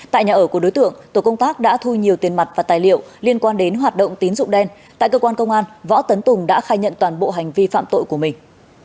tại nhà ở của đối tượng tổ công tác đã thu nhiều tiền mặt và tài liệu liên quan đến hoạt động tín dụng đen tại cơ quan công an võ tấn tùng đã khai nhận toàn bộ hành vi phạm tội của mình